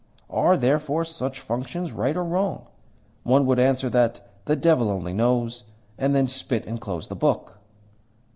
Are, therefore, such functions right or wrong? One would answer that the devil alone knows, and then spit and close the book."